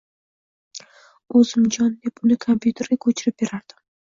O’zim jon deb uni kompьyuterga ko’chirib berardim.